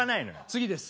次です。